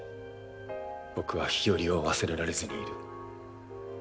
僕は日和を忘れられずにいる。